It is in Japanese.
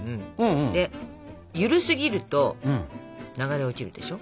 で緩すぎると流れ落ちるでしょ？